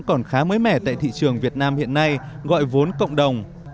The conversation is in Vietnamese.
còn khá mới mẻ tại thị trường việt nam hiện nay gọi vốn cộng đồng